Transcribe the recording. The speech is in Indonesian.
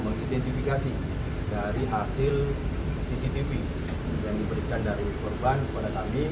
mengidentifikasi dari hasil cctv yang diberikan dari korban kepada kami